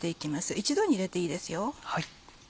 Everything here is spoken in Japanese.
一度に入れていいですよ。